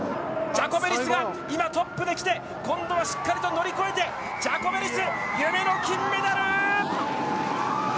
ジャコベリスがトップで来て今度はしっかりと乗り越えてジャコベリス、夢の金メダル！